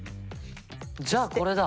じゃあこれだ。